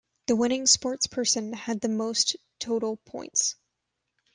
The winning sportsperson had the most total points.